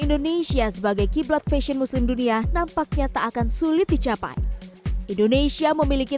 indonesia sebagai kiblat fashion muslim dunia nampaknya tak akan sulit dicapai indonesia memiliki